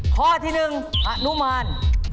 ข้อที่หนึ่งอะนุมาน